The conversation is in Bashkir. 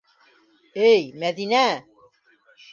Эй, Мәҙинә!